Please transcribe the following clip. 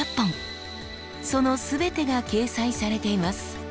その全てが掲載されています。